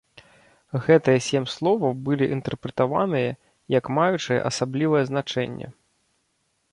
Гэтыя сем словаў былі інтэрпрэтаваныя як маючыя асаблівае значэнне.